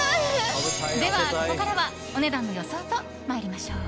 では、ここからはお値段の予想と参りましょう。